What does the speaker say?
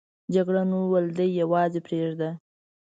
جګړن وویل دی یوازې پرېږده.